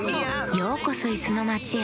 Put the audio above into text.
ようこそいすのまちへ。